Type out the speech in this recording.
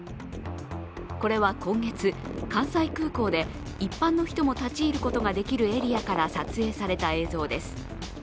これは今月、関西空港で一般の人も立ち入ることができるエリアから撮影された映像です。